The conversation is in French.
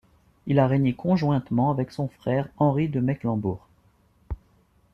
Il a régné conjointement avec son frère Henri de Mecklembourg.